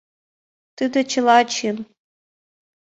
Тиде чыла чын.